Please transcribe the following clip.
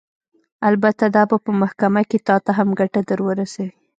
البته دا به په محکمه کښې تا ته هم ګټه درورسوي.